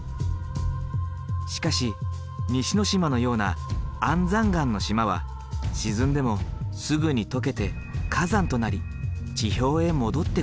しかし西之島のような安山岩の島は沈んでもすぐに溶けて火山となり地表へ戻ってくる。